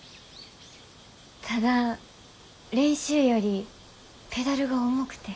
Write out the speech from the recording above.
ただ練習よりペダルが重くて。